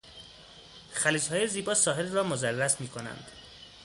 خلیجهای زیبا ساحل را مضرس میکنند.